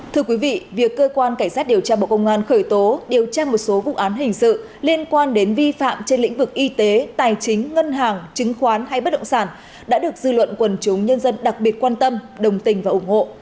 thưa quý vị việc cơ quan cảnh sát điều tra bộ công an khởi tố điều tra một số vụ án hình sự liên quan đến vi phạm trên lĩnh vực y tế tài chính ngân hàng chứng khoán hay bất động sản đã được dư luận quần chúng nhân dân đặc biệt quan tâm đồng tình và ủng hộ